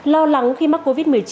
lo lắng khi mắc covid một mươi chín